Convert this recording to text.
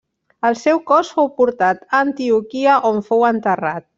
El seu cos fou portat a Antioquia on fou enterrat.